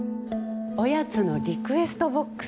おやつのリクエストボックスです。